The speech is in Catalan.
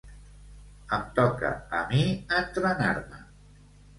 Em toca a mi entrenar-me.